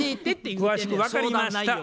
詳しく分かりました。